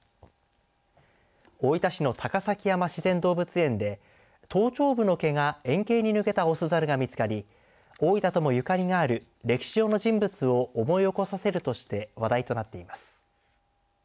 大分市の高崎山自然動物園で頭頂部の毛が円形に抜けたオスザルが見つかり大分ともゆかりがある歴史上の人物を思い起こさせるとして話題になっています。